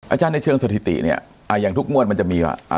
อาจารย์ในเชิงสถิติเนี่ยอย่างทุกงวดมันจะมี